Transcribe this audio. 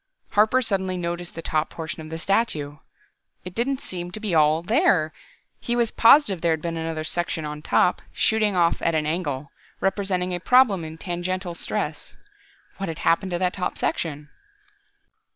Harper suddenly noticed the top portion of the statue. It didn't seem to be all there! He was positive there had been another section on top, shooting off at an angle, representing a problem in tangential stress. What had happened to that top section?